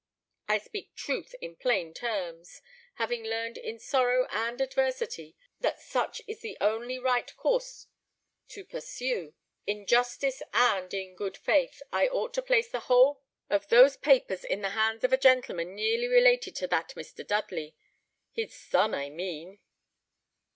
I speak truth in plain terms, having learned in sorrow and adversity that such is the only right course to pursue. In justice and in good faith I ought to place the whole of those papers in the hands of a gentleman nearly related to that Mr. Dudley his son, I mean."